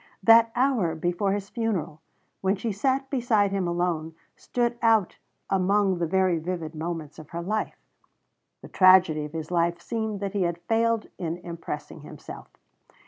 That hour before his funeral, when she sat beside him alone, stood out as among the very vivid moments of her life. The tragedy of his life seemed that he had failed in impressing himself.